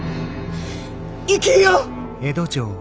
生きよ！